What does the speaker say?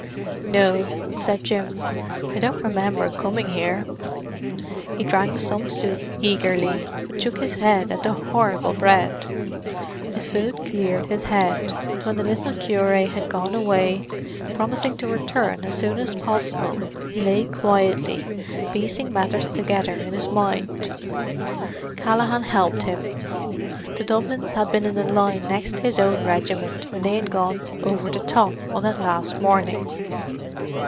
"No," said Jim. "I don't remember coming here." He drank some soup eagerly, but shook his head at the horrible bread. The food cleared his head, and when the little cure had gone away, promising to return as soon as possible, he lay quietly piecing matters together in his mind. Callaghan helped him: the Dublins had been in the line next his own regiment when they had gone "over the top" on that last morning.